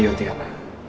ya udah aku ikut kamu